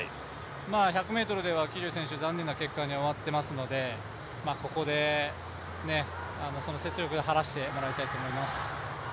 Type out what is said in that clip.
１００ｍでは桐生選手、残念な結果に終わっていますのでここでその雪辱を晴らしてもらいたいですね。